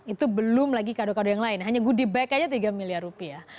itu belum lagi kado kado yang lain hanya goodie bag aja tiga miliar rupiah